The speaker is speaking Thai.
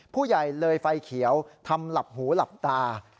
ผู้ใหญ่เลยไฟเขียวทำหลับหูหลับตา